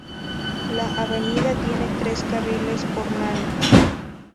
La avenida tiene tres carriles por mano.